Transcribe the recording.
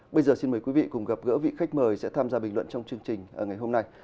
bây giờ xin mời quý vị cùng gặp gỡ vị khách mời sẽ tham gia bình luận trong chương trình ngày hôm nay